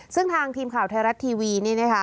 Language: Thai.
ซึ่งทางทีมข่าวไทยรัฐทีวีนี่นะคะ